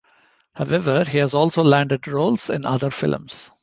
However, he has also landed roles in other films.